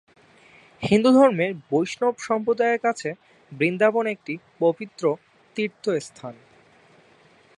হিন্দুধর্মের বৈষ্ণব সম্প্রদায়ের কাছে বৃন্দাবন একটি পবিত্র তীর্থস্থান।